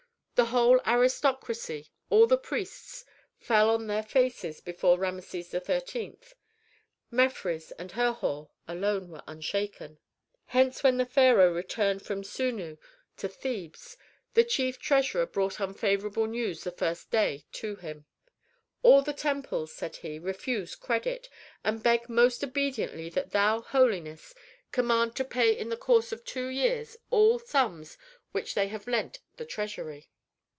The whole aristocracy, all the priests, fell on their faces before Rameses XIII.; Mefres and Herhor alone were unshaken. Hence when the pharaoh returned from Sunnu to Thebes the chief treasurer brought unfavorable news the first day to him. "All the temples," said he, "refuse credit, and beg most obediently that thou, holiness, command to pay in the course of two years all sums which they have lent the treasury."